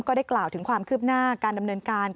ก็ได้กล่าวถึงความคืบหน้าการดำเนินการ